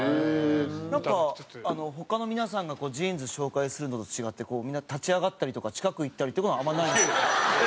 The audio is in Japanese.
なんか他の皆さんがジーンズ紹介するのと違ってみんな立ち上がったりとか近く行ったりとかっていうのはあんまりないんですね。